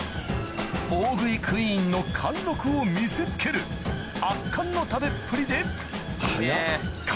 大食いクイーンの貫禄を見せつける圧巻の食べっぷりで早っ。